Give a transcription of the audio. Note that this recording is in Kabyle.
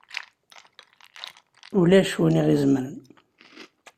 Ulac win i ɣ-izemren!